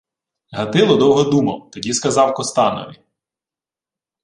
Гатило довго думав, тоді сказав Костанові: